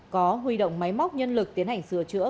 có huy động máy móc nhân lực tiến hành sửa chữa